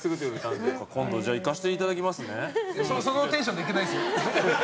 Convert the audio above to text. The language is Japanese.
そのテンションで行けないんですよ。